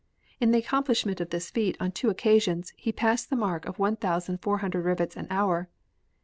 In the accomplishment of this feat on two occasions he passed the mark of one thousand four hundred rivets an hour.